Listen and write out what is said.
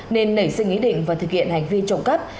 nên nảy sinh ý định và thực hiện hành vi trộm cắp